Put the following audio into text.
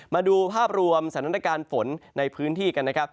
มาดูภาพรวมสถานการณ์ฝนในพื้นที่กันนะครับ